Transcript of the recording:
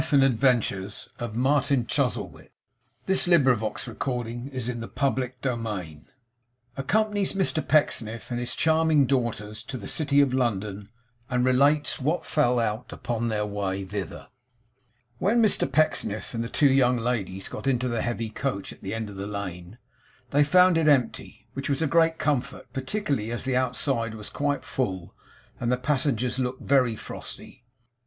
Not quite as jolly as I could wish to be, but very near. Good b'ye! good b'ye!' CHAPTER EIGHT ACCOMPANIES MR PECKSNIFF AND HIS CHARMING DAUGHTERS TO THE CITY OF LONDON; AND RELATES WHAT FELL OUT UPON THEIR WAY THITHER When Mr Pecksniff and the two young ladies got into the heavy coach at the end of the lane, they found it empty, which was a great comfort; particularly as the outside was quite full and the passengers looked very frosty.